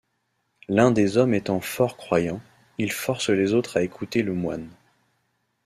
L'un des hommes étant fort croyant, il force les autres à écouter le moine.